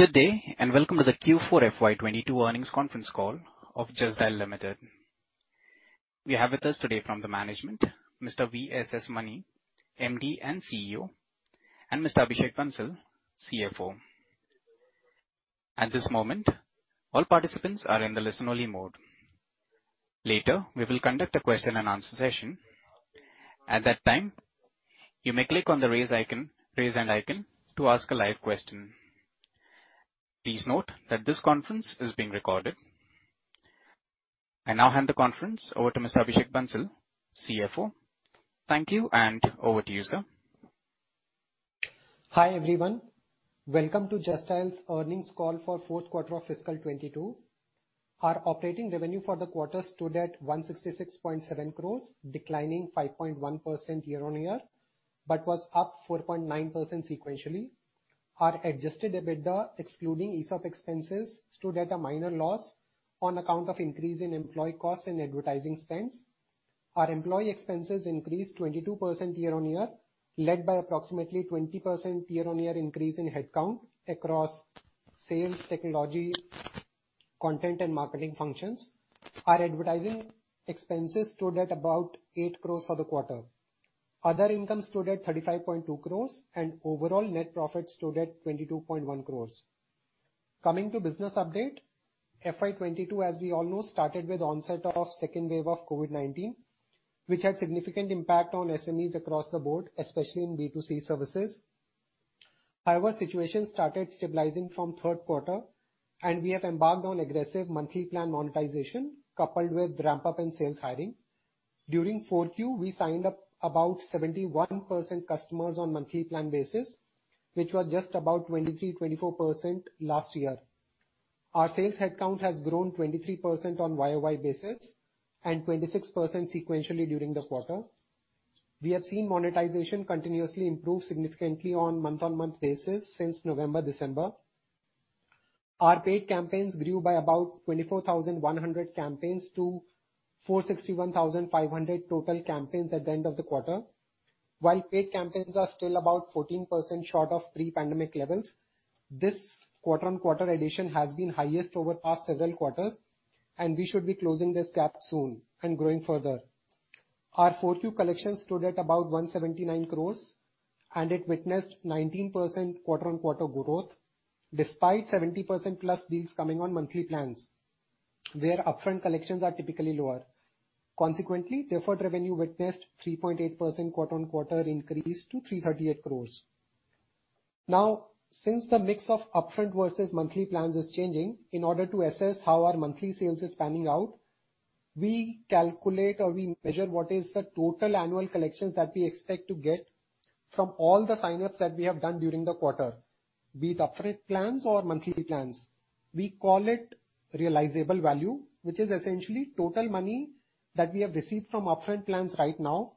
Good day, and welcome to the Q4 FY22 earnings conference call of Just Dial Limited. We have with us today from the management, Mr. V.S.S. Mani, MD and CEO, and Mr. Abhishek Bansal, CFO. At this moment, all participants are in the listen-only mode. Later, we will conduct a question and answer session. At that time, you may click on the Raise icon, Raise Hand icon to ask a live question. Please note that this conference is being recorded. I now hand the conference over to Mr. Abhishek Bansal, CFO. Thank you, and over to you, sir. Hi, everyone. Welcome to Just Dial's earnings call for fourth quarter of fiscal 2022. Our operating revenue for the quarter stood at 166.7 crore, declining 5.1% year-on-year, but was up 4.9% sequentially. Our adjusted EBITDA, excluding ESOP expenses, stood at a minor loss on account of increase in employee costs and advertising spends. Our employee expenses increased 22% year-on-year, led by approximately 20% year-on-year increase in head count across sales, technology, content and marketing functions. Our advertising expenses stood at about 8 crore for the quarter. Other income stood at 35.2 crore, and overall net profit stood at 22.1 crore. Coming to business update, FY 2022, as we all know, started with onset of second wave of COVID-19, which had significant impact on SMEs across the board, especially in B2C services. However, situation started stabilizing from third quarter, and we have embarked on aggressive monthly plan monetization, coupled with ramp-up in sales hiring. During Q4, we signed up about 71% customers on monthly plan basis, which was just about 23%-24% last year. Our sales head count has grown 23% on YoY basis, and 26% sequentially during the quarter. We have seen monetization continuously improve significantly on month-on-month basis since November, December. Our paid campaigns grew by about 24,100 campaigns to 461,500 total campaigns at the end of the quarter. While paid campaigns are still about 14% short of pre-pandemic levels, this quarter-on-quarter addition has been highest over past several quarters, and we should be closing this gap soon and growing further. Q4 collections stood at about 179 crore, and it witnessed 19% quarter-on-quarter growth despite 70%+ deals coming on monthly plans, where upfront collections are typically lower. Consequently, deferred revenue witnessed 3.8% quarter-on-quarter increase to 338 crore. Now, since the mix of upfront versus monthly plans is changing, in order to assess how our monthly sales is panning out, we calculate or we measure what is the total annual collections that we expect to get from all the sign-ups that we have done during the quarter, be it upfront plans or monthly plans. We call it realizable value, which is essentially total money that we have received from upfront plans right now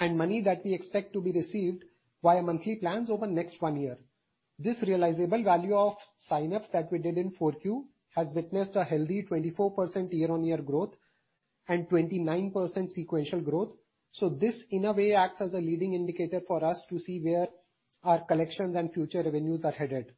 and money that we expect to be received via monthly plans over next one year. This realizable value of sign-ups that we did in 4Q has witnessed a healthy 24% year-on-year growth and 29% sequential growth. This, in a way, acts as a leading indicator for us to see where our collections and future revenues are headed.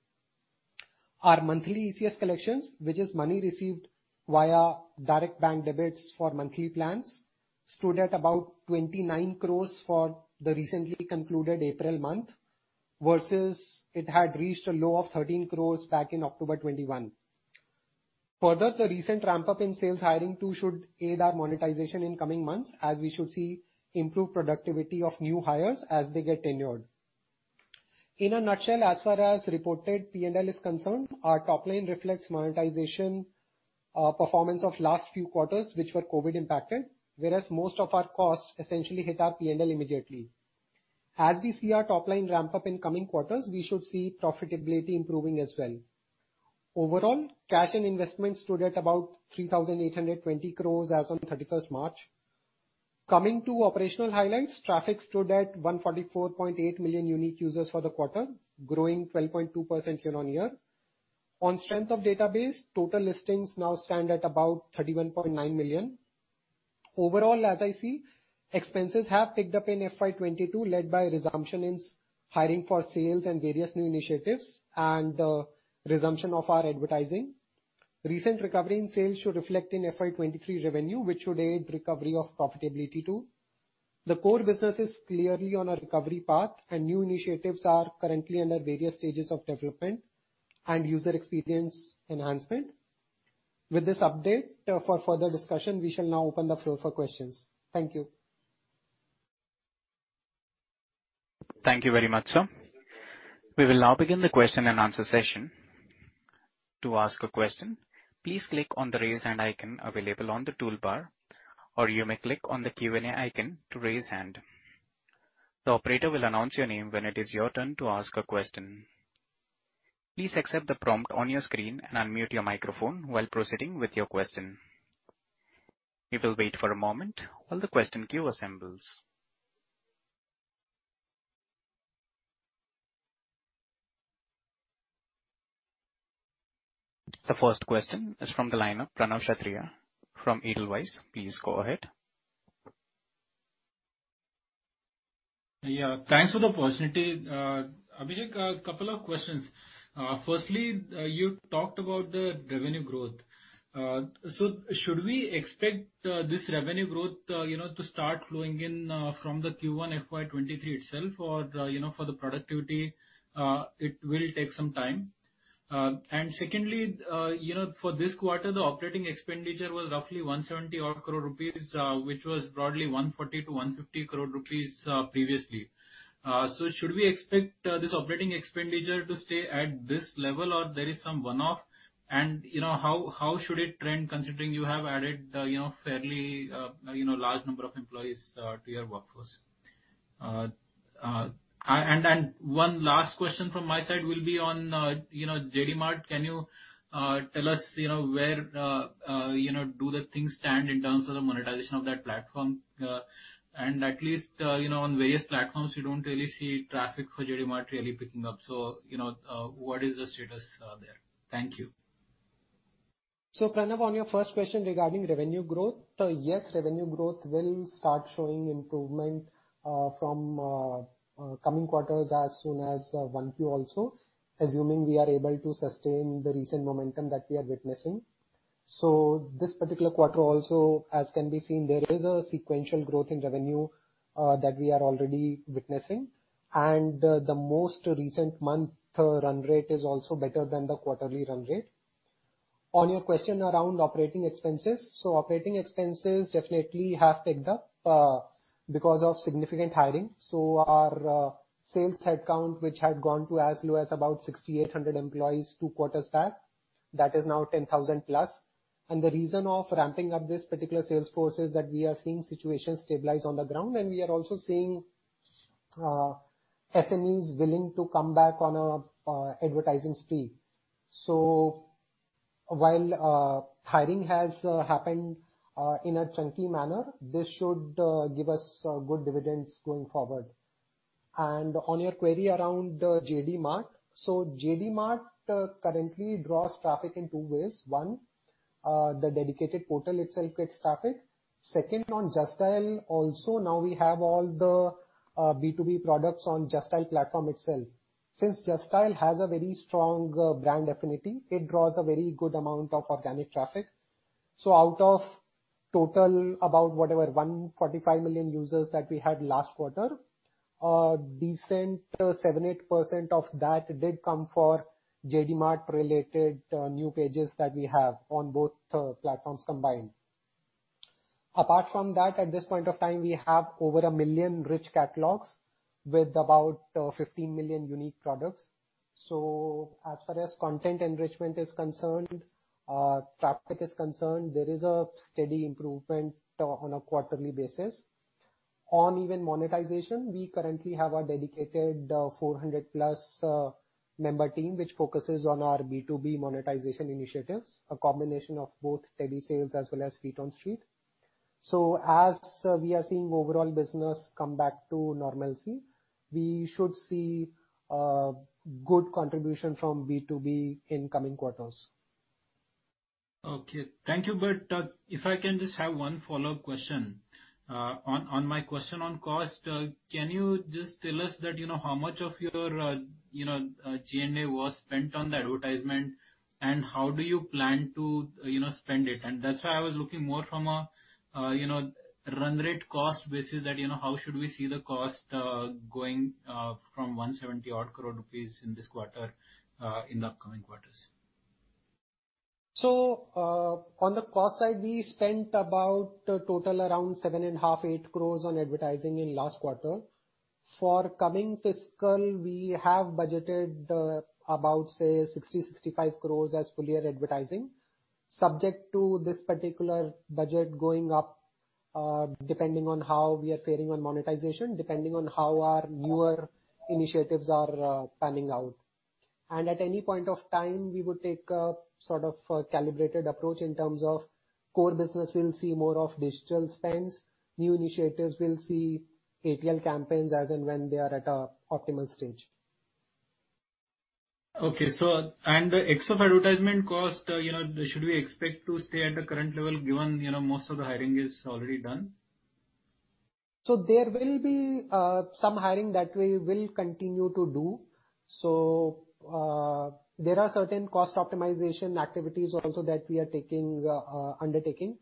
Our monthly ECS collections, which is money received via direct bank debits for monthly plans, stood at about 29 crore for the recently concluded April month, versus it had reached a low of 13 crore back in October 2021. Further, the recent ramp-up in sales hiring too should aid our monetization in coming months, as we should see improved productivity of new hires as they get tenured. In a nutshell, as far as reported P&L is concerned, our top line reflects monetization performance of last few quarters which were COVID-19 impacted, whereas most of our costs essentially hit our P&L immediately. As we see our top line ramp up in coming quarters, we should see profitability improving as well. Overall, cash and investments stood at about 3,820 crore as on 31st March. Coming to operational highlights, traffic stood at 144.8 million unique users for the quarter, growing 12.2% year-on-year. On strength of database, total listings now stand at about 31.9 million. Overall, as I see, expenses have picked up in FY 2022, led by resumption in hiring for sales and various new initiatives and resumption of our advertising. Recent recovery in sales should reflect in FY 2023 revenue, which should aid recovery of profitability too. The core business is clearly on a recovery path, and new initiatives are currently under various stages of development and user experience enhancement. With this update, for further discussion, we shall now open the floor for questions. Thank you. Thank you very much, sir. We will now begin the question and answer session. To ask a question, please click on the Raise Hand icon available on the toolbar, or you may click on the Q&A icon to raise hand. The operator will announce your name when it is your turn to ask a question. Please accept the prompt on your screen and unmute your microphone while proceeding with your question. We will wait for a moment while the question queue assembles. The first question is from the line of Pranav Kshatriya from Edelweiss. Please go ahead. Yeah. Thanks for the opportunity. Abhishek, a couple of questions. Firstly, you talked about the revenue growth. Should we expect this revenue growth, you know, to start flowing in from the Q1 FY 2023 itself? You know, for the productivity, it will take some time? Secondly, you know, for this quarter, the operating expenditure was roughly 170-odd crore rupees, which was broadly 140 crore-150 crore rupees, previously. Should we expect this operating expenditure to stay at this level, or there is some one-off? You know, how should it trend considering you have added, you know, fairly, you know, large number of employees to your workforce? One last question from my side will be on, you know, JD Mart. Can you tell us, you know, where, you know, do the things stand in terms of the monetization of that platform? At least, you know, on various platforms you don't really see traffic for JD Mart really picking up. You know, what is the status there? Thank you. Pranav, on your first question regarding revenue growth, yes, revenue growth will start showing improvement from coming quarters as soon as 1Q also, assuming we are able to sustain the recent momentum that we are witnessing. This particular quarter also, as can be seen, there is a sequential growth in revenue that we are already witnessing. The most recent month run rate is also better than the quarterly run rate. On your question around operating expenses. Operating expenses definitely have ticked up because of significant hiring. Our sales headcount, which had gone to as low as about 6,800 employees two quarters back, that is now 10,000 plus. The reason of ramping up this particular sales force is that we are seeing situations stabilize on the ground, and we are also seeing SMEs willing to come back on a advertising spree. While hiring has happened in a chunky manner, this should give us good dividends going forward. On your query around JD Mart. JD Mart currently draws traffic in two ways. One, the dedicated portal itself gets traffic. Second, on Just Dial also, now we have all the B2B products on Just Dial platform itself. Since Just Dial has a very strong brand affinity, it draws a very good amount of organic traffic. Out of total about 145 million users that we had last quarter, a decent 7%-8% of that did come for JD Mart related new pages that we have on both platforms combined. Apart from that, at this point of time, we have over 1 million rich catalogs with about 15 million unique products. As far as content enrichment and traffic are concerned, there is a steady improvement on a quarterly basis. Even on monetization, we currently have a dedicated 400+ member team which focuses on our B2B monetization initiatives, a combination of both tele sales as well as feet on the street. As we are seeing overall business come back to normalcy, we should see a good contribution from B2B in coming quarters. Okay. Thank you. If I can just have one follow-up question. On my question on cost, can you just tell us that, you know, how much of your, you know, G&A was spent on the advertisement, and how do you plan to, you know, spend it? That's why I was looking more from a, you know, run rate cost basis that, you know, how should we see the cost, going from 170-odd crore rupees in this quarter, in the upcoming quarters. On the cost side, we spent about total around 7.5 crore-8 crore on advertising in last quarter. For coming fiscal, we have budgeted about, say, 60 crore-65 crore as full year advertising, subject to this particular budget going up, depending on how we are faring on monetization, depending on how our newer initiatives are panning out. At any point of time, we would take a sort of a calibrated approach in terms of core business will see more of digital spends. New initiatives will see ATL campaigns as and when they are at an optimal stage. Okay. Ad ex of advertisement cost, you know, should we expect to stay at the current level given, you know, most of the hiring is already done? There will be some hiring that we will continue to do. There are certain cost optimization activities also that we are taking, undertaking.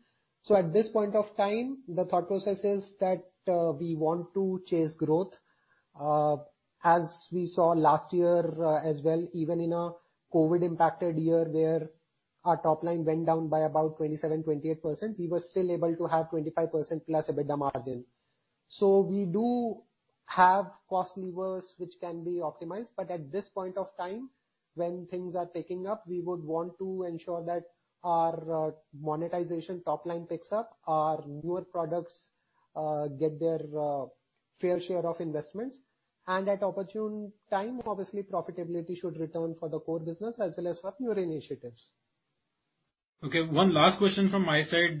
At this point of time, the thought process is that we want to chase growth. As we saw last year, as well, even in a COVID impacted year, where our top line went down by about 27%-28%, we were still able to have 25%+ EBITDA margin. We do have cost levers which can be optimized, but at this point of time, when things are picking up, we would want to ensure that our monetization top line picks up, our newer products get their fair share of investments. At opportune time, obviously profitability should return for the core business as well as our newer initiatives. Okay. One last question from my side.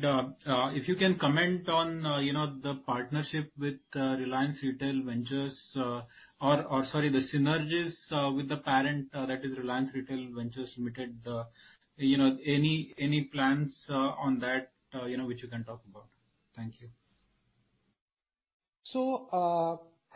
If you can comment on, you know, the partnership with Reliance Retail Ventures, or sorry, the synergies, with the parent, that is Reliance Retail Ventures Limited. You know, any plans, on that, you know, which you can talk about? Thank you.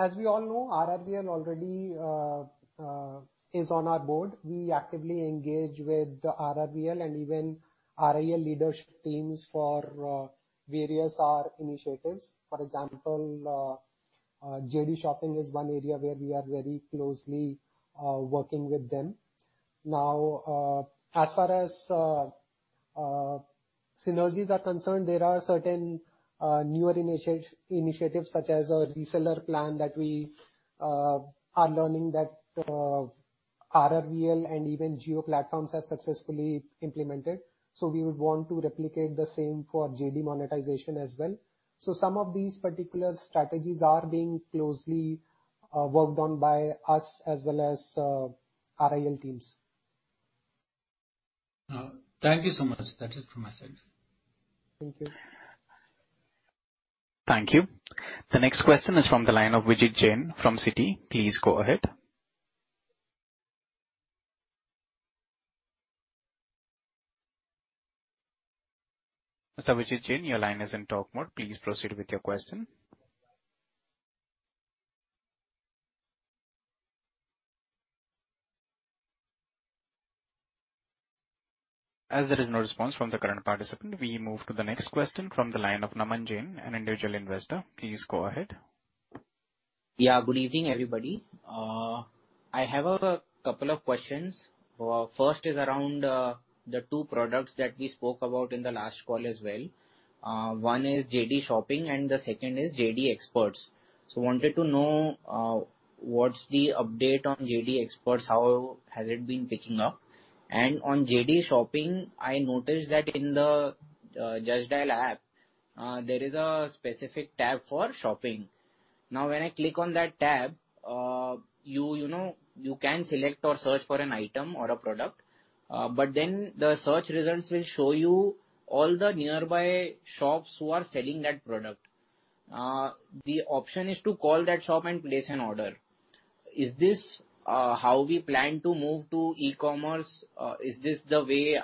As we all know, RRVL already is on our board. We actively engage with RRVL and even RIL leadership teams for various initiatives. For example, JD Shopping is one area where we are very closely working with them. Now, as far as synergies are concerned, there are certain newer initiatives such as a reseller plan that we are learning that RRVL and even Jio Platforms have successfully implemented. We would want to replicate the same for JD monetization as well. Some of these particular strategies are being closely worked on by us as well as RIL teams. Thank you so much. That is from myself. Thank you. Thank you. The next question is from the line of Vijit Jain from Citi. Please go ahead. Mr. Vijit Jain, your line is in talk mode. Please proceed with your question. As there is no response from the current participant, we move to the next question from the line of Naman Jain, an individual investor. Please go ahead. Yeah, good evening, everybody. I have a couple of questions. First is around the two products that we spoke about in the last call as well. One is JD Shopping, and the second is JD Xperts. Wanted to know, what's the update on JD Xperts, how has it been picking up? And on JD Shopping, I noticed that in the Just Dial app, there is a specific tab for shopping. Now, when I click on that tab, you know, you can select or search for an item or a product, but then the search results will show you all the nearby shops who are selling that product. The option is to call that shop and place an order. Is this how we plan to move to e-commerce? Is this the way,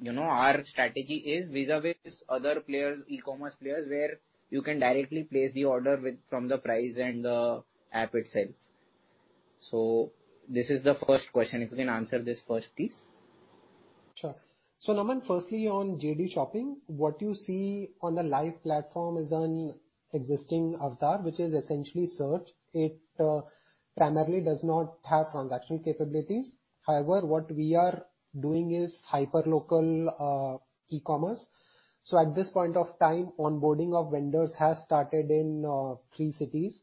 you know, our strategy is vis-à-vis other players, e-commerce players, where you can directly place the order with from the price and the app itself? This is the first question. If you can answer this first, please. Sure. Naman, firstly, on JD Shopping, what you see on the live platform is an existing avatar, which is essentially search. It primarily does not have transaction capabilities. However, what we are doing is hyper local e-commerce. At this point of time, onboarding of vendors has started in three cities.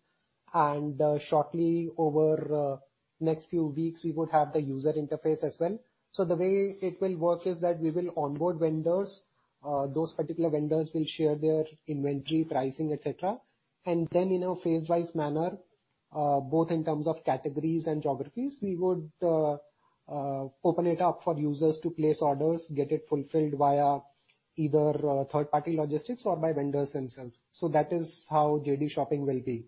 Shortly over next few weeks, we would have the user interface as well. The way it will work is that we will onboard vendors, those particular vendors will share their inventory, pricing, et cetera. Then in a phase-wise manner, both in terms of categories and geographies, we would open it up for users to place orders, get it fulfilled via either third-party logistics or by vendors themselves. That is how JD Shopping will be.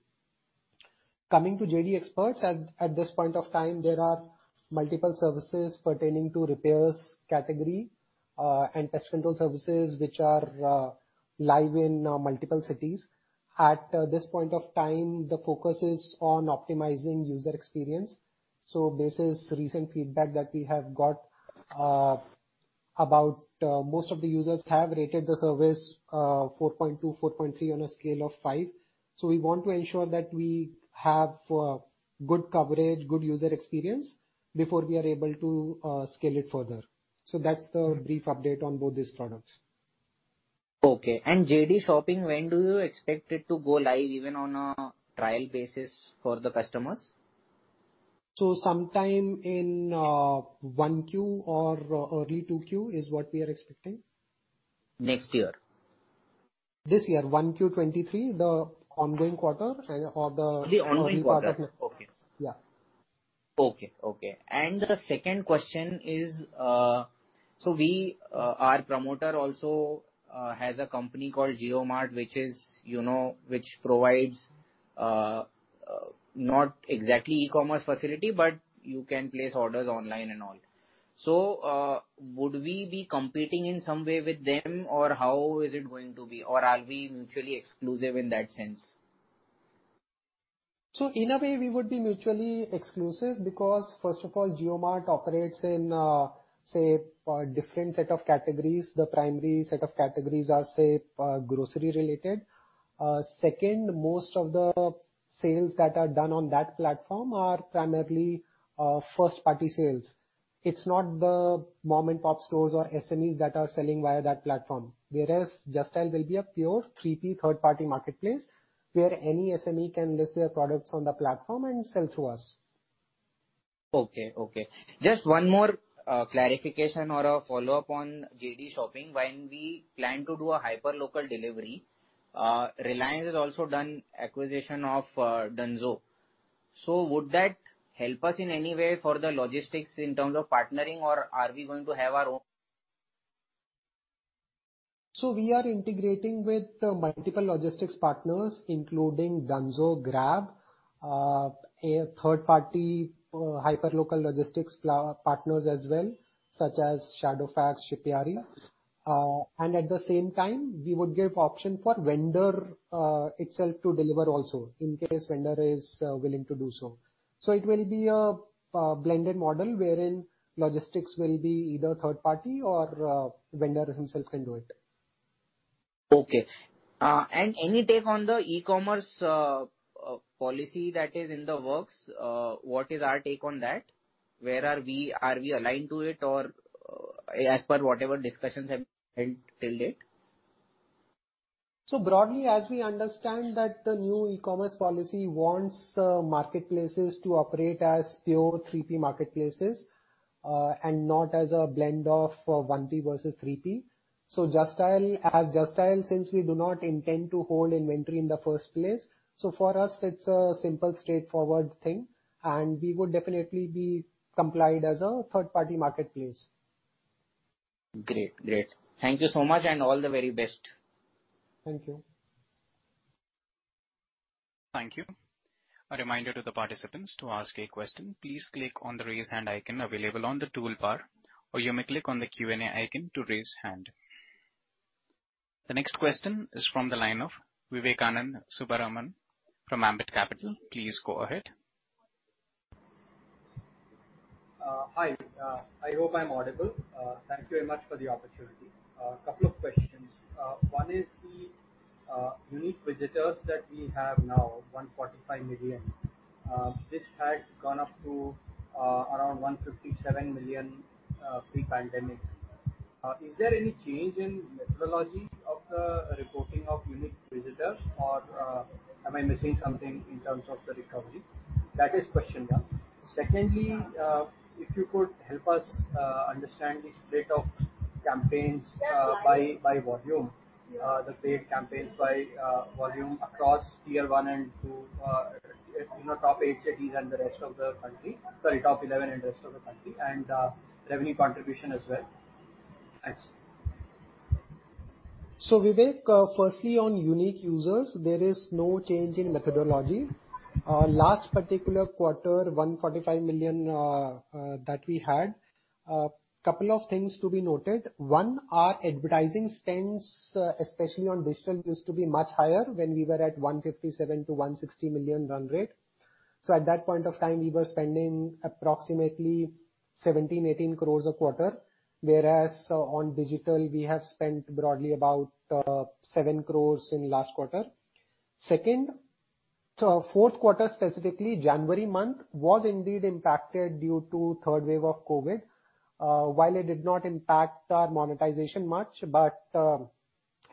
Coming to JD Xperts, at this point of time, there are multiple services pertaining to repairs category, and pest control services, which are live in multiple cities. At this point of time, the focus is on optimizing user experience. Based on recent feedback that we have got, most of the users have rated the service 4.2, 4.3 on a scale of five. We want to ensure that we have good coverage, good user experience before we are able to scale it further. That's the brief update on both these products. Okay. JD Shopping, when do you expect it to go live even on a trial basis for the customers? Sometime in 1Q or early 2Q is what we are expecting. Next year? This year, 1Q 2023, the ongoing quarter. The ongoing quarter. Yeah. Okay. The second question is, we, our promoter also has a company called JioMart, which is, you know, which provides not exactly e-commerce facility, but you can place orders online and all. Would we be competing in some way with them, or how is it going to be? Are we mutually exclusive in that sense? In a way, we would be mutually exclusive because first of all, JioMart operates in, say, a different set of categories. The primary set of categories are, say, grocery related. Second, most of the sales that are done on that platform are primarily first-party sales. It's not the mom-and-pop stores or SMEs that are selling via that platform. Whereas Just Dial will be a pure third-party marketplace where any SME can list their products on the platform and sell through us. Okay. Just one more clarification or a follow-up on JD Shopping. When we plan to do a hyper local delivery, Reliance has also done acquisition of Dunzo. Would that help us in any way for the logistics in terms of partnering, or are we going to have our own? We are integrating with multiple logistics partners, including Dunzo, Grab, a third party hyperlocal logistics partners as well, such as Shadowfax, Shipyaari. At the same time, we would give option for vendor itself to deliver also, in case vendor is willing to do so. It will be a blended model wherein logistics will be either third party or vendor himself can do it. Okay. Any take on the e-commerce policy that is in the works? What is our take on that? Where are we? Are we aligned to it or, as per whatever discussions have been till date? Broadly, as we understand that the new e-commerce policy wants marketplaces to operate as pure 3P marketplaces, and not as a blend of 1P versus 3P. Just Dial, as Just Dial, since we do not intend to hold inventory in the first place, so for us it's a simple straightforward thing, and we would definitely be complied as a third party marketplace. Great. Thank you so much, and all the very best. Thank you. Thank you. A reminder to the participants, to ask a question, please click on the Raise Hand icon available on the toolbar, or you may click on the Q&A icon to raise hand. The next question is from the line of Vivekanand Subbaraman from Ambit Capital. Please go ahead. Hi. I hope I'm audible. Thank you very much for the opportunity. A couple of questions. One is the unique visitors that we have now, 145 million. This had gone up to around 157 million pre-pandemic. Is there any change in methodology of the reporting of unique visitors or am I missing something in terms of the recovery? That is question one. Secondly, if you could help us understand the split of campaigns by volume, the paid campaigns by volume across tier 1 and 2, you know, top 8 cities and the rest of the country. Sorry, top 11 and rest of the country. Revenue contribution as well. Thanks. Vivek, firstly on unique users, there is no change in methodology. Last particular quarter, 145 million that we had. Couple of things to be noted. One, our advertising spends, especially on digital, used to be much higher when we were at 157 million-160 million run rate. At that point of time, we were spending approximately 17 crore-8 crore a quarter, whereas on digital we have spent broadly about 7 crore in last quarter. Second, fourth quarter, specifically January month, was indeed impacted due to third wave of COVID-19. While it did not impact our monetization much,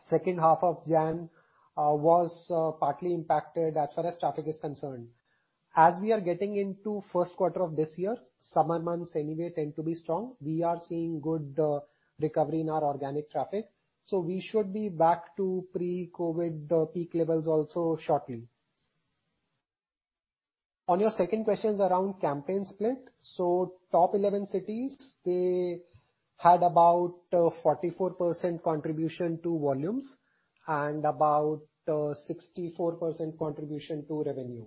second half of January was partly impacted as far as traffic is concerned. As we are getting into first quarter of this year, summer months anyway tend to be strong. We are seeing good recovery in our organic traffic, so we should be back to pre-COVID peak levels also shortly. On your second questions around campaign split. Top 11 cities, they had about 44% contribution to volumes and about 64% contribution to revenue.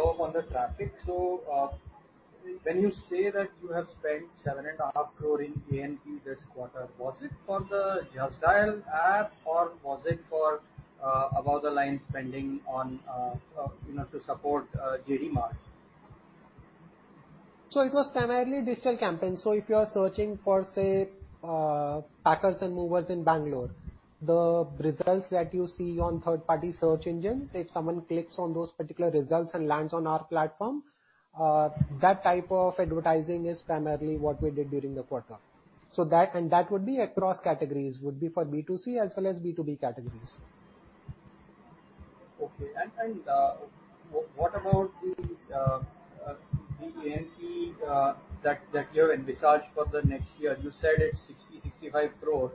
On the traffic, when you say that you have spent 7.5 crore in A&P this quarter, was it for the Just Dial app or was it for above the line spending on, you know, to support JD Mart? It was primarily digital campaigns. If you are searching for, say, packers and movers in Bangalore, the results that you see on third party search engines, if someone clicks on those particular results and lands on our platform, that type of advertising is primarily what we did during the quarter. That would be across categories, would be for B2C as well as B2B categories. Okay. What about the A&P that you have envisaged for the next year? You said it's 65 crore.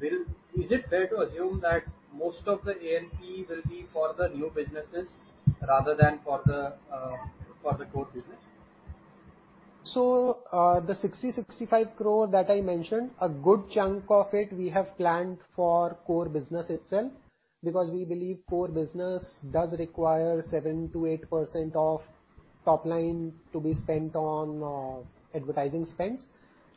Is it fair to assume that most of the A&P will be for the new businesses rather than for the core business? The 65 crore that I mentioned, a good chunk of it we have planned for core business itself because we believe core business does require 7%-8% of top line to be spent on advertising spends.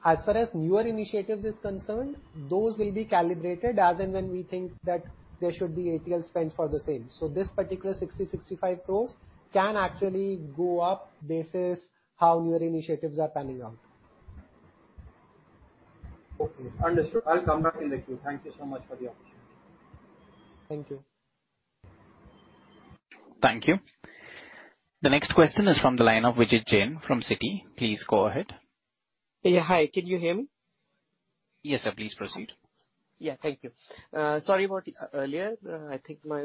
As far as newer initiatives is concerned, those will be calibrated as and when we think that there should be ATL spend for the same. This particular 65 crore can actually go up basis how newer initiatives are panning out. Okay, understood. I'll come back in the queue. Thank you so much for the opportunity. Thank you. Thank you. The next question is from the line of Vijit Jain from Citi. Please go ahead. Yeah. Hi. Can you hear me? Yes, sir. Please proceed. Yeah. Thank you. Sorry about earlier. I think my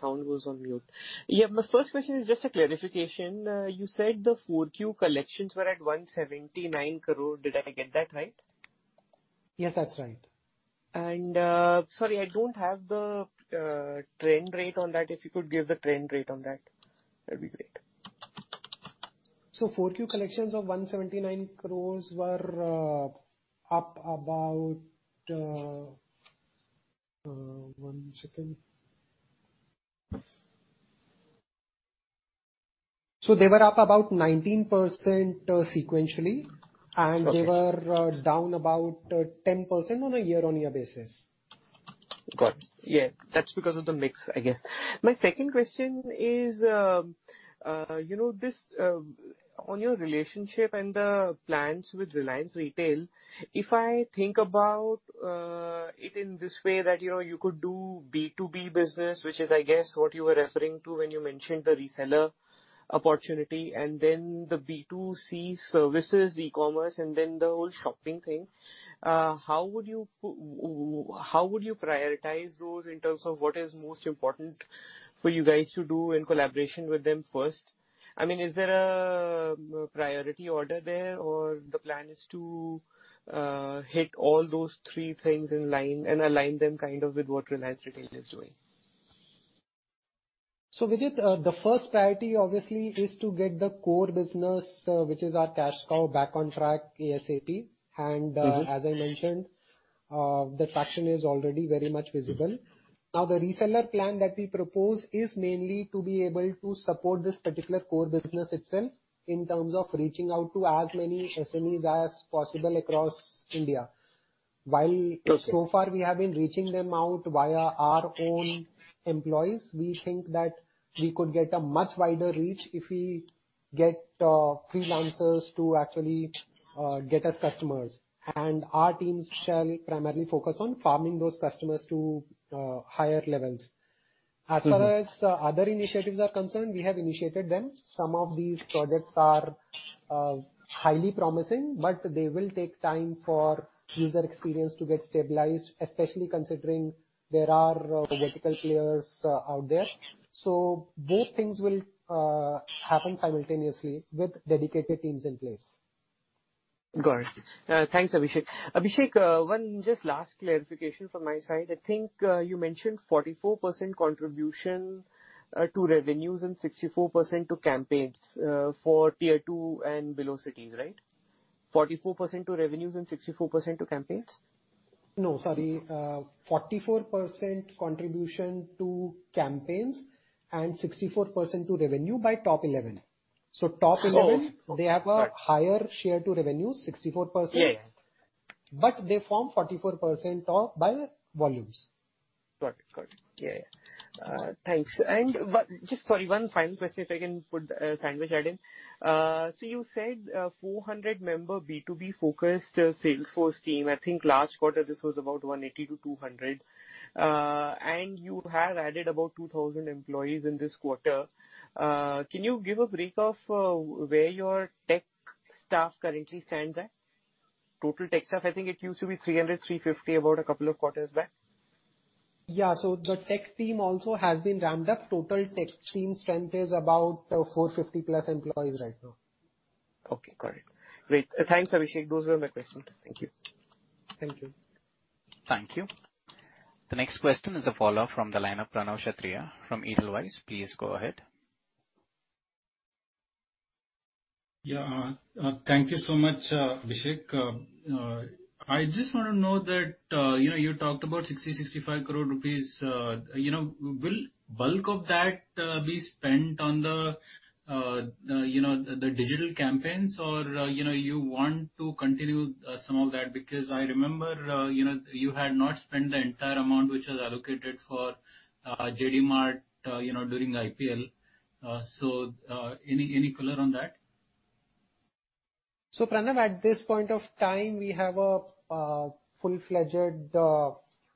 sound was on mute. Yeah, my first question is just a clarification. You said the 4Q collections were at 179 crore. Did I get that right? Yes, that's right. Sorry, I don't have the trend rate on that. If you could give the trend rate on that'd be great. 4Q collections of 179 crore were up about 19% sequentially. Okay. They were down about 10% on a year-on-year basis. Got it. Yeah, that's because of the mix, I guess. My second question is, you know, this, on your relationship and the plans with Reliance Retail, if I think about it in this way that, you know, you could do B2B business, which is I guess what you were referring to when you mentioned the reseller opportunity, and then the B2C services, e-commerce, and then the whole shopping thing, how would you prioritize those in terms of what is most important for you guys to do in collaboration with them first? I mean, is there a priority order there or the plan is to hit all those three things in line and align them kind of with what Reliance Retail is doing? Vijit, the first priority obviously is to get the core business, which is our cash cow back on track ASAP. Mm-hmm. As I mentioned, the traction is already very much visible. Now, the reseller plan that we propose is mainly to be able to support this particular core business itself in terms of reaching out to as many SMEs as possible across India. Okay. So far we have been reaching them out via our own employees. We think that we could get a much wider reach if we get freelancers to actually get us customers. Our teams shall primarily focus on farming those customers to higher levels. Mm-hmm. As far as other initiatives are concerned, we have initiated them. Some of these projects are highly promising, but they will take time for user experience to get stabilized, especially considering there are vertical players out there. Both things will happen simultaneously with dedicated teams in place. Got it. Thanks, Abhishek. Abhishek, one just last clarification from my side. I think, you mentioned 44% contribution to revenues and 64% to campaigns for tier two and below cities, right? 44% to revenues and 64% to campaigns? No, sorry. 44% contribution to campaigns and 64% to revenue by top 11. Top 11- Oh, okay. Got it. They have a higher share of revenue, 64%. Yes. They form 44% of B2B volumes. Got it. Yeah. Thanks. Just sorry, one final question, if I can sandwich it in. So you said, 400-member B2B-focused sales force team. I think last quarter this was about 180-200. You have added about 2,000 employees in this quarter. Can you give a breakdown of where your tech staff currently stands at? Total tech staff, I think it used to be 300-350 about a couple of quarters back. The tech team also has been ramped up. Total tech team strength is about 450-plus employees right now. Okay. Got it. Great. Thanks, Abhishek. Those were my questions. Thank you. Thank you. Thank you. The next question is a follow-up from the line of Pranav Kshatriya from Edelweiss. Please go ahead. Yeah. Thank you so much, Abhishek. I just wanna know that, you know, you talked about 65 crore rupees. You know, will bulk of that be spent on the, you know, the digital campaigns or, you know, you want to continue some of that? Because I remember, you know, you had not spent the entire amount which was allocated for JD Mart, you know, during IPL. So, any color on that? Pranav, at this point of time, we have a full-fledged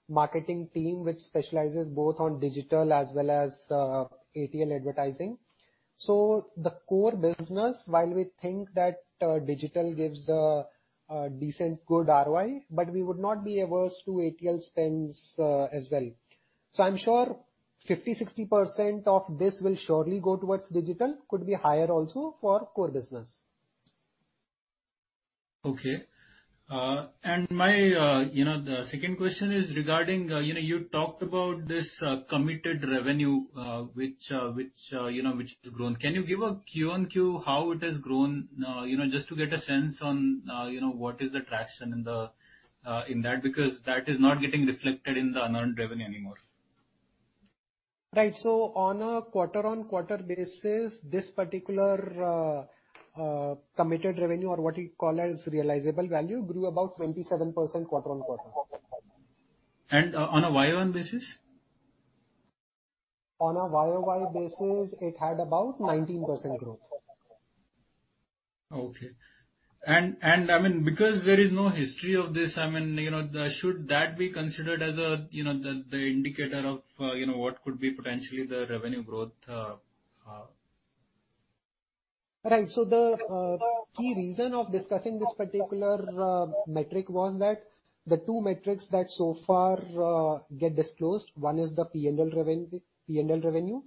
marketing team which specializes both on digital as well as ATL advertising. The core business, while we think that digital gives a decent good ROI, but we would not be averse to ATL spends as well. I'm sure 50%-60% of this will surely go towards digital, could be higher also for core business. Okay. My, you know, the second question is regarding, you know, you talked about this committed revenue, which has grown. Can you give a QoQ how it has grown? You know, just to get a sense on, you know, what is the traction in that. Because that is not getting reflected in the unearned revenue anymore. Right. On a quarter-on-quarter basis, this particular committed revenue or what we call as realizable value grew about 27% quarter-on-quarter. On a year-on-year basis? On a YoY basis, it had about 19% growth. Okay. I mean, because there is no history of this, I mean, you know, should that be considered as a you know the indicator of you know what could be potentially the revenue growth? Right. The key reason of discussing this particular metric was that the two metrics that so far get disclosed, one is the P&L revenue.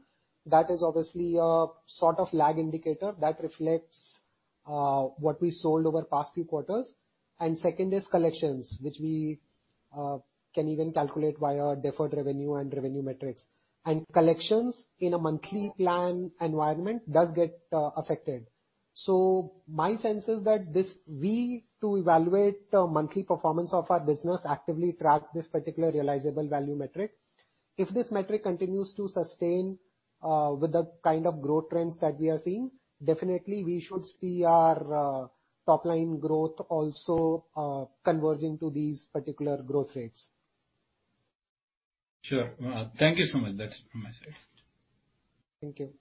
That is obviously a sort of lag indicator that reflects what we sold over past few quarters. Second is collections, which we can even calculate via deferred revenue and revenue metrics. Collections in a monthly plan environment does get affected. My sense is that to evaluate the monthly performance of our business, we actively track this particular realizable value metric. If this metric continues to sustain with the kind of growth trends that we are seeing, definitely we should see our top line growth also converging to these particular growth rates. Sure. Thank you so much. That's from my side. Thank you.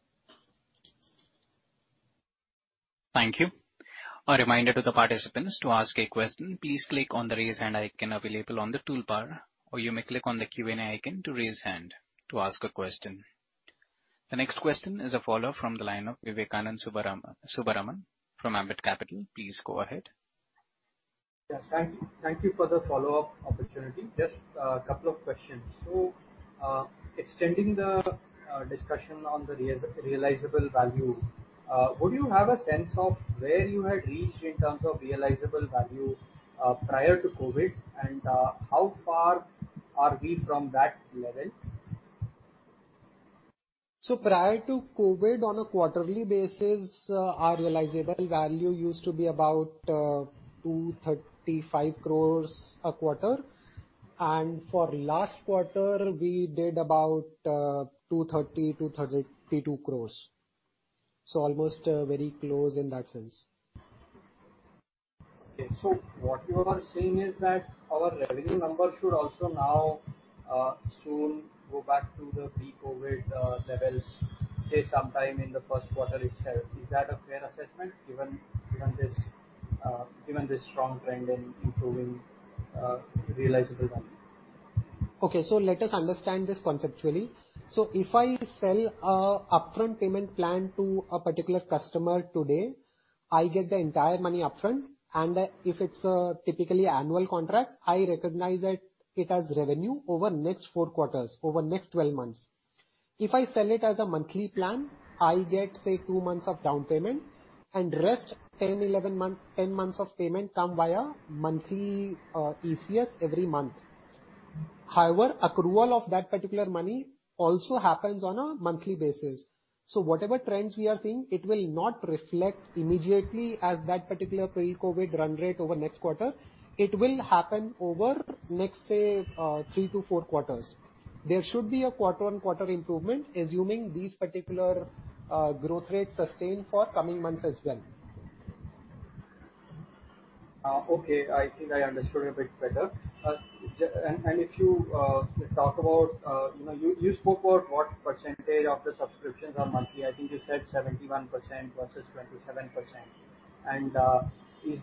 Thank you. A reminder to the participants, to ask a question, please click on the Raise Hand icon available on the toolbar, or you may click on the Q&A icon to raise hand to ask a question. The next question is a follow-up from the line of Vivekanand Subbaraman from Ambit Capital. Please go ahead. Yes, thank you. Thank you for the follow-up opportunity. Just a couple of questions. Extending the discussion on the realizable value, would you have a sense of where you had reached in terms of realizable value prior to COVID? How far are we from that level? Prior to COVID, on a quarterly basis, our realizable value used to be about 235 crore a quarter. For last quarter we did about 230 crore-232 crore. Almost very close in that sense. Okay. What you are saying is that our revenue numbers should also now soon go back to the pre-COVID levels, say sometime in the first quarter itself. Is that a fair assessment given this strong trend in improving realizable value? Okay, let us understand this conceptually. If I sell an upfront payment plan to a particular customer today, I get the entire money upfront and if it's a typically annual contract, I recognize it as revenue over next four quarters, over next 12 months. If I sell it as a monthly plan, I get, say two months of down payment and rest 10 months of payment come via monthly ECS every month. However, accrual of that particular money also happens on a monthly basis. Whatever trends we are seeing, it will not reflect immediately as that particular pre-COVID run rate over next quarter. It will happen over next, say, 3-4 quarters. There should be a quarter-on-quarter improvement, assuming these particular growth rates sustain for coming months as well. Okay. I think I understood a bit better. If you talk about, you know, you spoke about what percentage of the subscriptions are monthly. I think you said 71% versus 27%. Is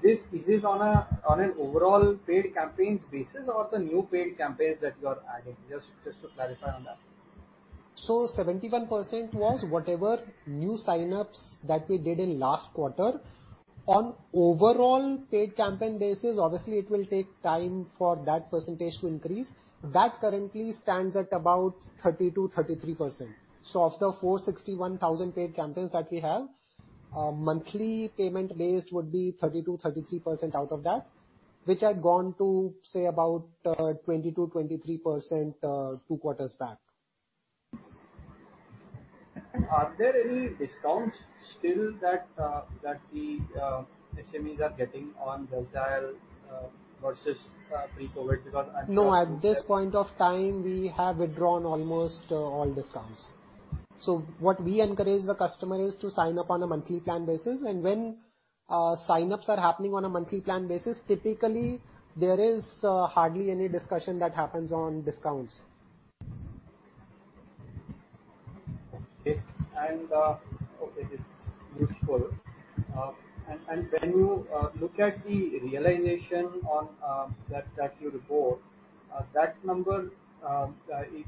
this on an overall paid campaigns basis or the new paid campaigns that you are adding? Just to clarify on that. 71% was whatever new sign-ups that we did in last quarter. On overall paid campaign basis, obviously it will take time for that percentage to increase. That currently stands at about 30%-33%. Of the 461,000 paid campaigns that we have, monthly payment based would be 30%-33% out of that, which had gone to say about 20%-23% two quarters back. Are there any discounts still that the SMEs are getting on the dial versus pre-COVID? No, at this point of time we have withdrawn almost all discounts. What we encourage the customer is to sign up on a monthly plan basis. When sign-ups are happening on a monthly plan basis, typically there is hardly any discussion that happens on discounts. Okay, this is useful. When you look at the realization on that you report, that number is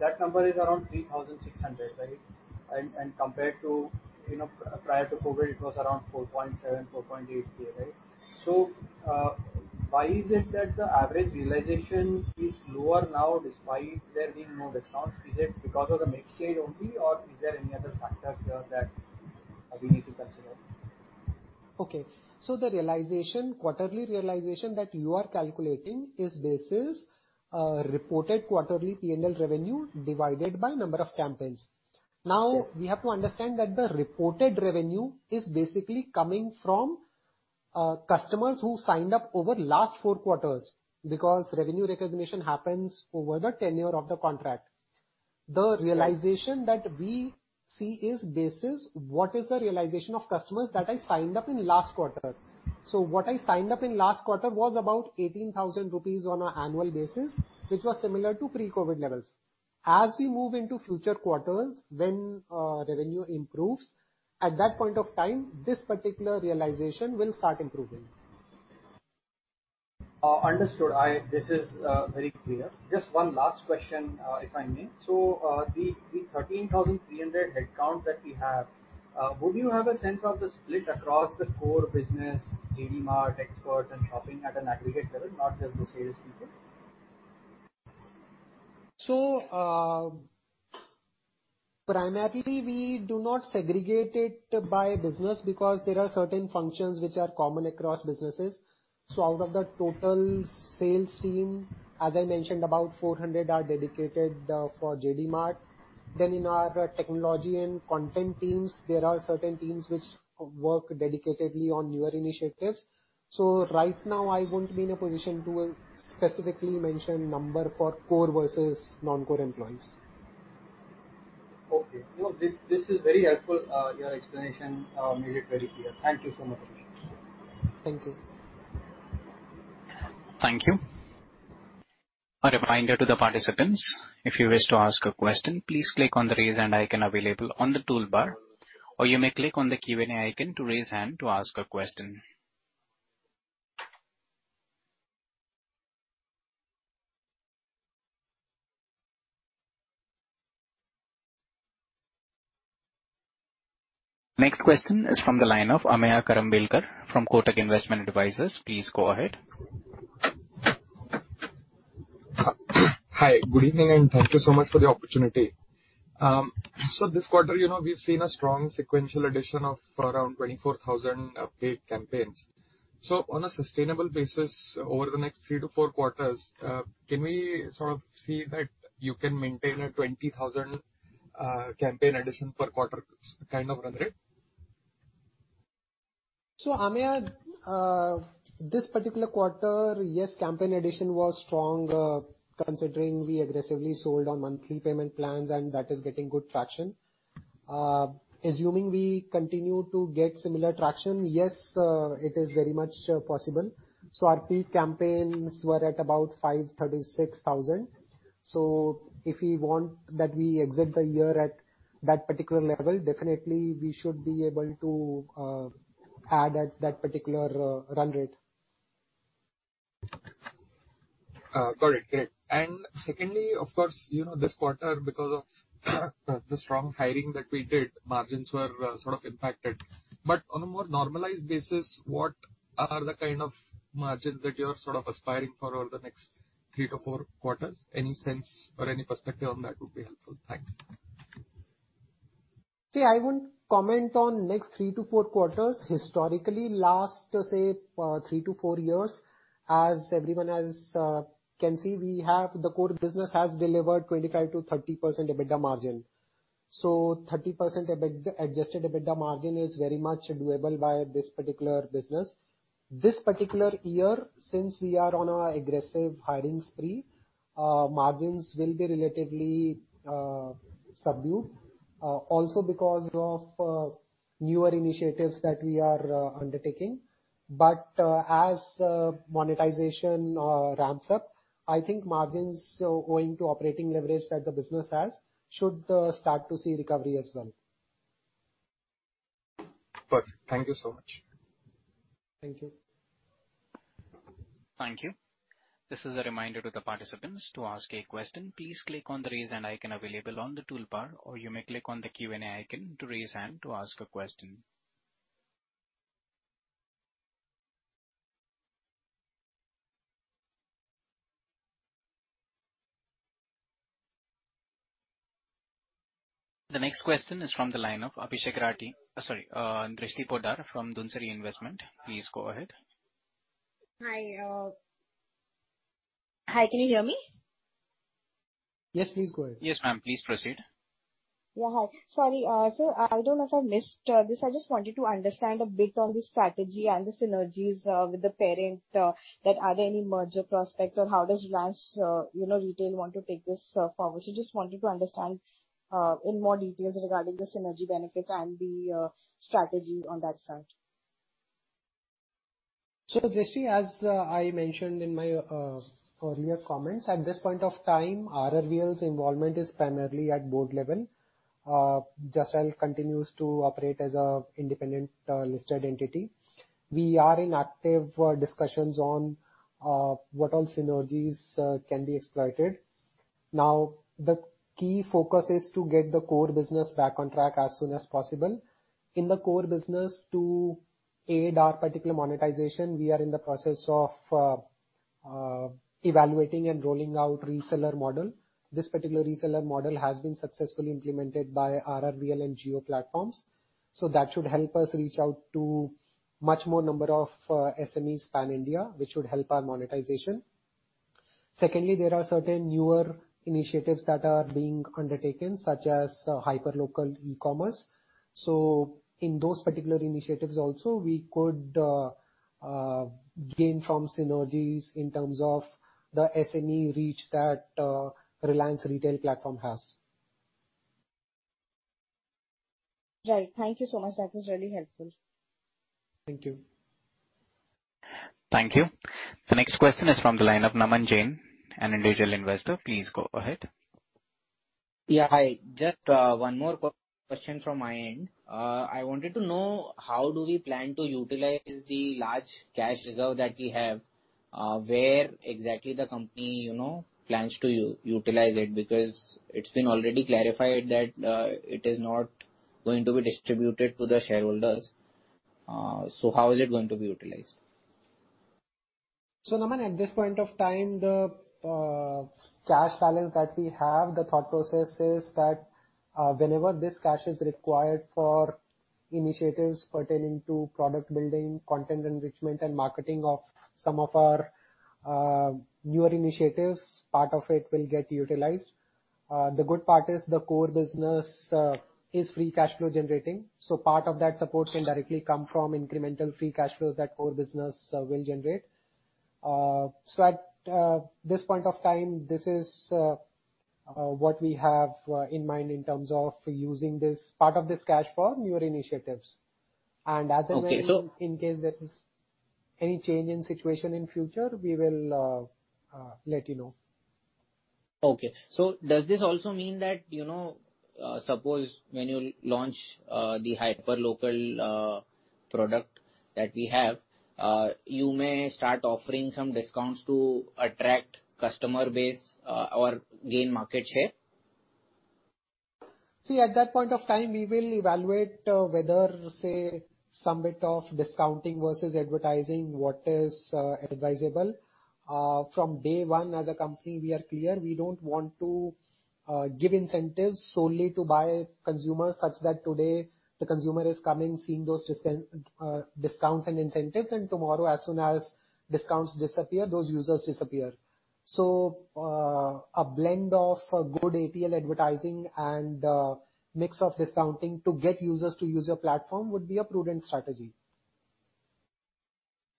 around 3,600, right? Compared to, you know, prior to COVID, it was around 4.7-4.8 P&L, right? Why is it that the average realization is lower now despite there being no discounts? Is it because of the mix change only, or is there any other factors here that we need to consider? Okay, the quarterly realization that you are calculating is basis reported quarterly P&L revenue divided by number of campaigns. Okay. Now, we have to understand that the reported revenue is basically coming from customers who signed up over last four quarters because revenue recognition happens over the tenure of the contract. Right. The realization that we see is basis, what is the realization of customers that I signed up in last quarter? What I signed up in last quarter was about 18,000 rupees on an annual basis, which was similar to pre-COVID levels. As we move into future quarters when revenue improves, at that point of time, this particular realization will start improving. Understood. This is very clear. Just one last question, if I may. So, the 13,300 headcount that you have, would you have a sense of the split across the core business, JD Mart, Xpress and shopping at an aggregate level, not just the sales people? Primarily we do not segregate it by business because there are certain functions which are common across businesses. Out of the total sales team, as I mentioned, about 400 are dedicated for JD Mart. In our technology and content teams, there are certain teams which work dedicatedly on newer initiatives. Right now I won't be in a position to specifically mention number for core versus non-core employees. Okay. No, this is very helpful. Your explanation made it very clear. Thank you so much. Thank you. Thank you. A reminder to the participants, if you wish to ask a question, please click on the Raise Hand icon available on the toolbar, or you may click on the Q&A icon to raise hand to ask a question. Next question is from the line of Ameya Karambelkar from Kotak Investment Advisors. Please go ahead. Hi, good evening, and thank you so much for the opportunity. This quarter, you know, we've seen a strong sequential addition of around 24,000 paid campaigns. On a sustainable basis over the next 3-4 quarters, can we sort of see that you can maintain a 20,000 campaign addition per quarter kind of run rate? Ameya, this particular quarter, yes, campaign addition was strong, considering we aggressively sold on monthly payment plans, and that is getting good traction. Assuming we continue to get similar traction, yes, it is very much possible. Our peak campaigns were at about 536,000. If we want that we exit the year at that particular level, definitely we should be able to add at that particular run rate. Got it. Great. Secondly, of course, you know, this quarter, because of the strong hiring that we did, margins were sort of impacted. On a more normalized basis, what are the kind of margins that you're sort of aspiring for over the next 3-4 quarters? Any sense or any perspective on that would be helpful. Thanks. See, I won't comment on next 3-4 quarters. Historically, last, say, 3-4 years, as everyone else can see, we have the core business has delivered 25%-30% EBITDA margin. So 30% adjusted EBITDA margin is very much doable by this particular business. This particular year, since we are on a aggressive hiring spree, margins will be relatively subdued, also because of newer initiatives that we are undertaking. As monetization ramps up, I think margins owing to operating leverage that the business has should start to see recovery as well. Perfect. Thank you so much. Thank you. Thank you. This is a reminder to the participants: to ask a question, please click on the Raise Hand icon available on the toolbar, or you may click on the Q&A icon to raise hand to ask a question. The next question is from the line of Abhishek Rathi. Sorry, Drishti Poddar from Dhunseri Investments. Please go ahead. Hi. Hi, can you hear me? Yes, please go ahead. Yes, ma'am, please proceed. Yeah, hi. Sorry, I don't know if I missed this. I just wanted to understand a bit on the strategy and the synergies with the parent that are there any merger prospects or how does Reliance, you know, Retail want to take this forward? Just wanted to understand in more details regarding the synergy benefits and the strategy on that front. Drishti, as I mentioned in my earlier comments, at this point of time, RRVL's involvement is primarily at board level. Just Dial continues to operate as an independent listed entity. We are in active discussions on what all synergies can be exploited. Now, the key focus is to get the core business back on track as soon as possible. In the core business, to aid our particular monetization, we are in the process of evaluating and rolling out reseller model. This particular reseller model has been successfully implemented by RRVL and Jio Platforms, so that should help us reach out to much more number of SMEs pan-India, which should help our monetization. Secondly, there are certain newer initiatives that are being undertaken, such as hyperlocal e-commerce. In those particular initiatives also, we could gain from synergies in terms of the SME reach that Reliance Retail platform has. Right. Thank you so much. That was really helpful. Thank you. Thank you. The next question is from the line of Naman Jain, an individual investor. Please go ahead. Yeah, hi. Just one more question from my end. I wanted to know how do we plan to utilize the large cash reserve that we have? Where exactly the company, you know, plans to utilize it? Because it's been already clarified that it is not going to be distributed to the shareholders. How is it going to be utilized? Naman, at this point of time, the cash balance that we have, the thought process is that, whenever this cash is required for initiatives pertaining to product building, content enrichment, and marketing of some of our newer initiatives, part of it will get utilized. The good part is the core business is free cash flow generating, so part of that support can directly come from incremental free cash flows that core business will generate. At this point of time, this is what we have in mind in terms of using this part of this cash for newer initiatives. As and when- Okay. In case there is any change in situation in future, we will let you know. Okay. Does this also mean that, you know, suppose when you launch, the hyperlocal, product that we have, you may start offering some discounts to attract customer base, or gain market share? See, at that point of time, we will evaluate whether, say, some bit of discounting versus advertising, what is advisable. From day one as a company, we are clear we don't want to give incentives solely to buy consumers such that today the consumer is coming, seeing those discounts and incentives, and tomorrow as soon as discounts disappear, those users disappear. A blend of good ATL advertising and mix of discounting to get users to use your platform would be a prudent strategy.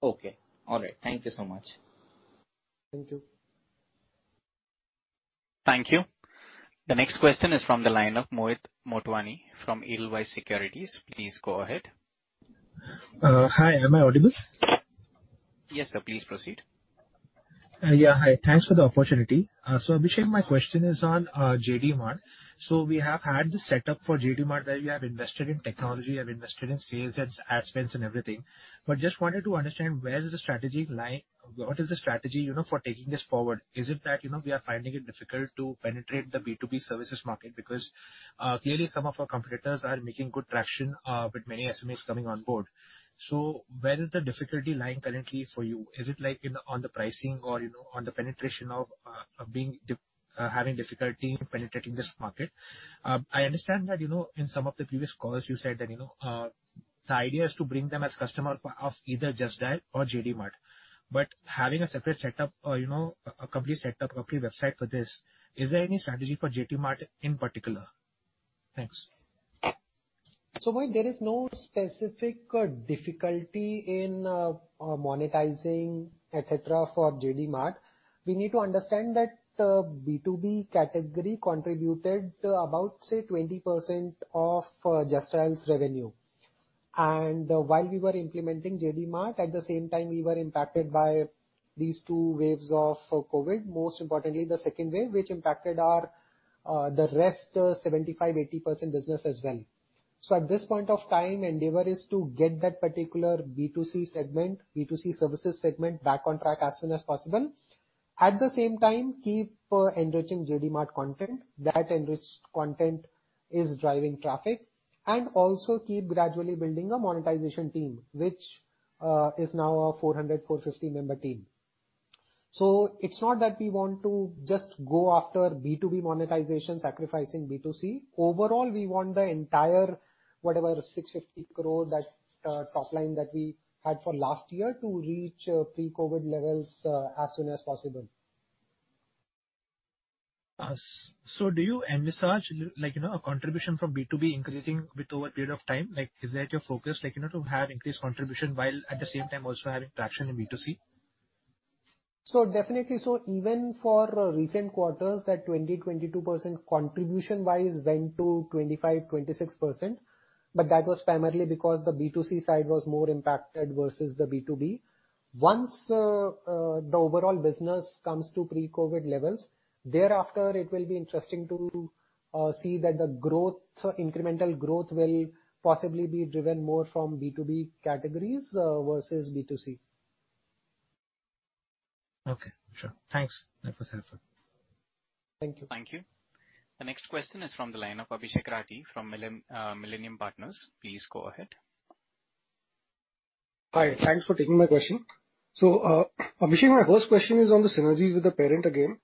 Okay. All right. Thank you so much. Thank you. Thank you. The next question is from the line of Mohit Motwani from Edelweiss Securities. Please go ahead. Hi. Am I audible? Yes, sir. Please proceed. Yeah. Hi. Thanks for the opportunity. Abhishek, my question is on JD Mart. We have had the setup for JD Mart where you have invested in technology, you have invested in sales and ad spends and everything, but just wanted to understand where is the strategy lying. What is the strategy, you know, for taking this forward? Is it that, you know, we are finding it difficult to penetrate the B2B services market? Because clearly some of our competitors are making good traction with many SMEs coming on board. Where is the difficulty lying currently for you? Is it like on the pricing or, you know, on the penetration of having difficulty penetrating this market? I understand that, you know, in some of the previous calls you said that, you know, the idea is to bring them as customer of either Just Dial or JD Mart, but having a separate setup, you know, a complete setup, a free website for this, is there any strategy for JD Mart in particular? Thanks. Mohit, there is no specific difficulty in monetizing, et cetera, for JD Mart. We need to understand that the B2B category contributed about, say, 20% of Just Dial's revenue. While we were implementing JD Mart, at the same time we were impacted by these two waves of COVID, most importantly the second wave, which impacted our the rest 75%-80% business as well. At this point of time, endeavor is to get that particular B2C segment, B2C services segment back on track as soon as possible. At the same time, keep enriching JD Mart content. That enriched content is driving traffic. Also keep gradually building a monetization team, which is now a 400-450-member team. It's not that we want to just go after B2B monetization sacrificing B2C. Overall, we want the entire, whatever, 650 crore top line that we had for last year to reach pre-COVID levels as soon as possible. Do you envisage, like, you know, a contribution from B2B increasing a bit over a period of time? Like, is that your focus? Like, you know, to have increased contribution while at the same time also having traction in B2C? Definitely. Even for recent quarters, that 22% contribution-wise went to 25%-26%, but that was primarily because the B2C side was more impacted versus the B2B. Once the overall business comes to pre-COVID levels, thereafter it will be interesting to see that the growth, incremental growth will possibly be driven more from B2B categories versus B2C. Okay. Sure. Thanks. That was helpful. Thank you. Thank you. The next question is from the line of Abhishek Rathi from Millennium Partners. Please go ahead. Hi. Thanks for taking my question. Abhishek, my first question is on the synergies with the parent again.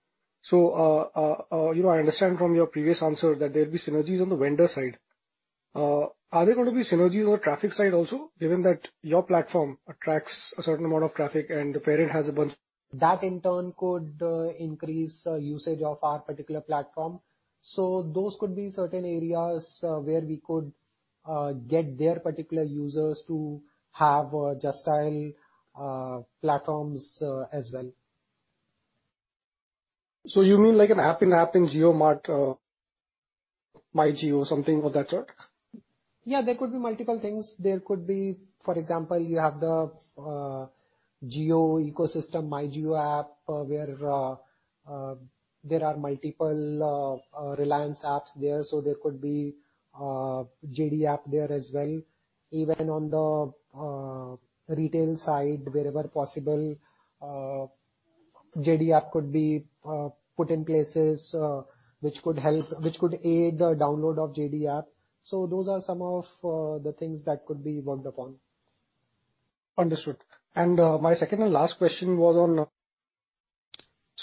You know, I understand from your previous answer that there'll be synergies on the vendor side. Are there gonna be synergies on the traffic side also, given that your platform attracts a certain amount of traffic and the parent has a bunch- That in turn could increase usage of our particular platform. Those could be certain areas where we could get their particular users to have Just Dial platforms as well. You mean like an app-in-app in JioMart, MyJio something of that sort? Yeah, there could be multiple things. There could be, for example, you have the Jio ecosystem, MyJio app, where there are multiple Reliance apps there, so there could be JD app there as well. Even on the retail side, wherever possible, JD app could be put in places which could aid the download of JD app. Those are some of the things that could be worked upon. Understood. My second and last question was on.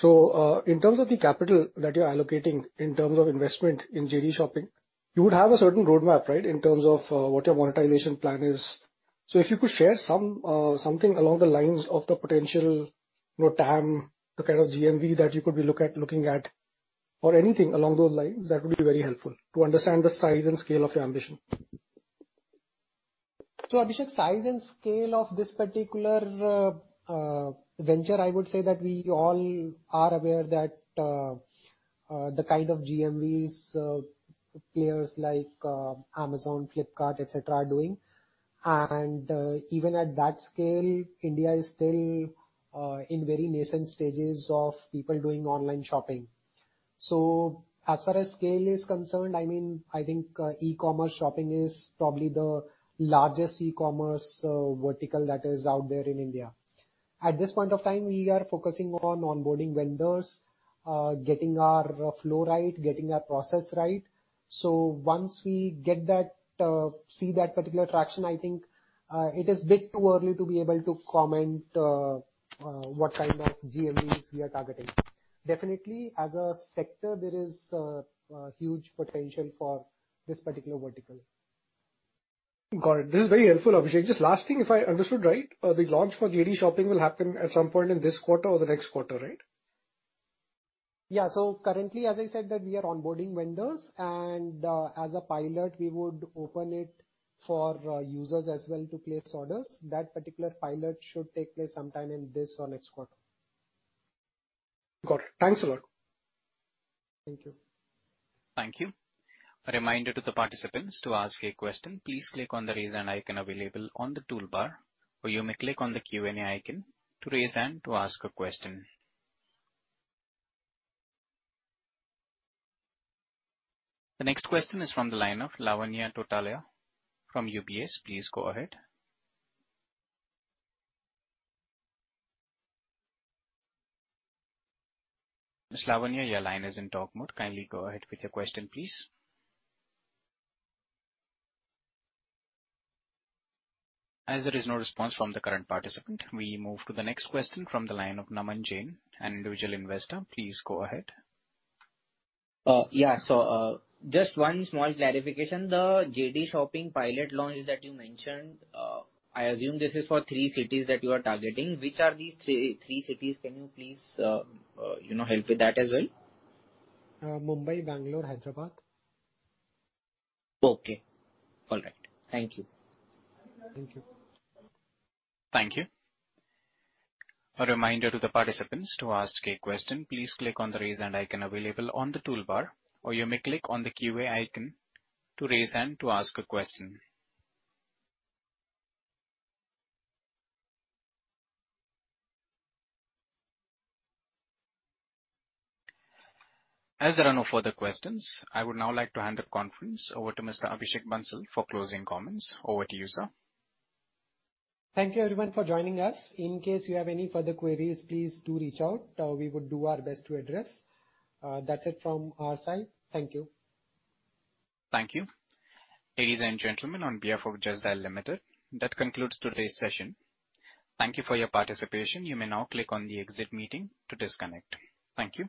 In terms of the capital that you're allocating in terms of investment in JD Shopping, you would have a certain roadmap, right? In terms of what your monetization plan is. If you could share some something along the lines of the potential, you know, TAM, the kind of GMV that you could be looking at, or anything along those lines, that would be very helpful to understand the size and scale of your ambition. Abhishek, size and scale of this particular venture, I would say that we all are aware that the kind of GMVs players like Amazon, Flipkart, et cetera, are doing. Even at that scale, India is still in very nascent stages of people doing online shopping. As far as scale is concerned, I mean, I think e-commerce shopping is probably the largest e-commerce vertical that is out there in India. At this point of time, we are focusing on onboarding vendors, getting our flow right, getting our process right. Once we get that, see that particular traction, I think it is bit too early to be able to comment what kind of GMVs we are targeting. Definitely, as a sector, there is huge potential for this particular vertical. Got it. This is very helpful, Abhishek. Just last thing, if I understood right, the launch for JD Shopping will happen at some point in this quarter or the next quarter, right? Yeah. Currently, as I said that we are onboarding vendors and, as a pilot, we would open it for users as well to place orders. That particular pilot should take place sometime in this or next quarter. Got it. Thanks a lot. Thank you. Thank you. A reminder to the participants, to ask a question, please click on the Raise Hand icon available on the toolbar, or you may click on the Q&A icon to raise hand to ask a question. The next question is from the line of Lavanya Tottala from UBS. Please go ahead. Miss Lavanya, your line is in talk mode. Kindly go ahead with your question, please. As there is no response from the current participant, we move to the next question from the line of Naman Jain, an individual investor. Please go ahead. Just one small clarification. The JD Shopping pilot launch that you mentioned, I assume this is for three cities that you are targeting. Which are these three cities? Can you please, you know, help with that as well? Mumbai, Bangalore, Hyderabad. Okay. All right. Thank you. Thank you. Thank you. A reminder to the participants, to ask a question, please click on the Raise Hand icon available on the toolbar, or you may click on the Q&A icon to raise hand to ask a question. As there are no further questions, I would now like to hand the conference over to Mr. Abhishek Bansal for closing comments. Over to you, sir. Thank you everyone for joining us. In case you have any further queries, please do reach out. We would do our best to address. That's it from our side. Thank you. Thank you. Ladies and gentlemen, on behalf of Just Dial Limited, that concludes today's session. Thank you for your participation. You may now click on the Exit Meeting to disconnect. Thank you.